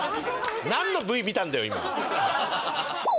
なんのＶ見たんだよ、今。